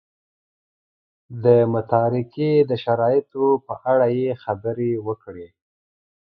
د متارکې د شرایطو په اړه یې خبرې وکړې.